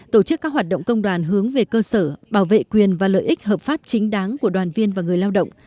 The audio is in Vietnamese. tổ chức các hoạt động công đoàn hướng về cơ sở bảo vệ quyền và lợi ích hợp pháp chính đáng của đoàn viên và người lao động